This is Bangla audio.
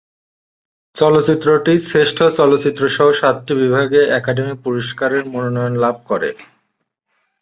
চলচ্চিত্রটি শ্রেষ্ঠ চলচ্চিত্রসহ সাতটি বিভাগে একাডেমি পুরস্কারের মনোনয়ন লাভ করে।